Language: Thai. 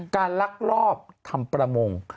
ลักลอบทำประมง